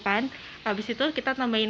abis itu kita tambahin